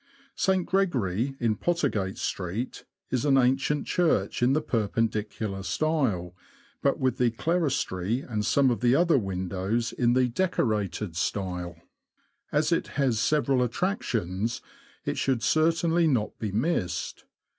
St. Gregory, in Pottergate Street, is an ancient church in the Perpendicular style, but with the clerestory and some of the other windows in the Decorated style. As it has several attractions, it should certainly not be missed.